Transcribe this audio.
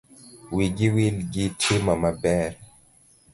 Wigi wil gi timo maber.